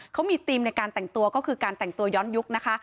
เขามีธีมในการแต่งตัวก็คือการแต่งตัวย้อนยุคนะคะ